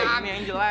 iya ini yang jelek